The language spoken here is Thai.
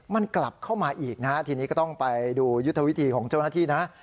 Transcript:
มันกลับเข้ามาอีกนะฮะทีนี้ก็ต้องไปดูยุทธวิธีของเจ้าหน้าที่นะ